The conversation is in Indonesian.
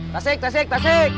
tasik tasik tasik